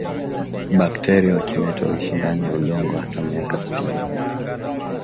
Bakteria wa kimeta huishi ndani ya udongo hata miaka sitini